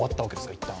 いったん。